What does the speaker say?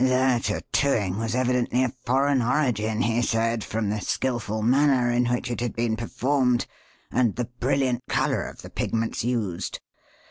"The tattooing was evidently of foreign origin, he said, from the skilful manner in which it had been performed and the brilliant colour of the pigments used.